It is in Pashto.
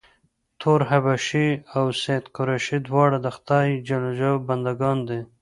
تور حبشي او سید قریشي دواړه د خدای ج بنده ګان دي.